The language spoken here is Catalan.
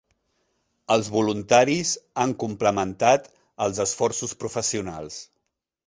Els voluntaris han complementat els esforços professionals.